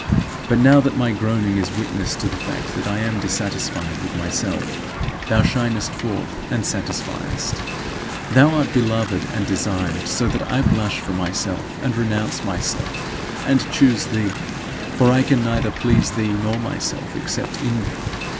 But now that my groaning is witness to the fact that I am dissatisfied with myself, thou shinest forth and satisfiest. Thou art beloved and desired; so that I blush for myself, and renounce myself and choose thee, for I can neither please thee nor myself except in thee.